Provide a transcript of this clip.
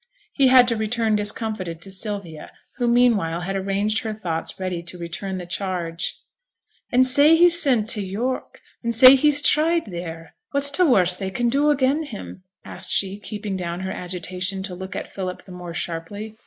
He had to return discomfited to Sylvia, who meanwhile had arranged her thoughts ready to return to the charge. 'And say he's sent to York, and say he's tried theere, what's t' worst they can do again' him?' asked she, keeping down her agitation to look at Philip the more sharply.